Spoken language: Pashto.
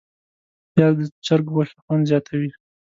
پیاز د چرګ غوښې خوند زیاتوي